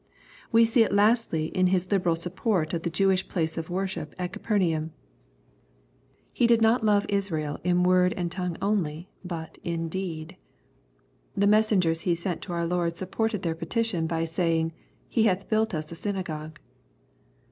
'*— We see it lastly in his liberal support of the Jewish place of worship at Capernaum. He did n >t love Israel LUKE^ CHAP. VII. 201 ''in word and tongue only, but in deed." The messen gers he sent to our Lord supported their petition by saying, " He hath built us a synagogue."